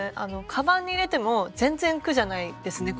かばんに入れても全然苦じゃないですね